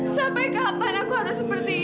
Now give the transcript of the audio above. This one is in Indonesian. sampai kapan aku harus seperti ini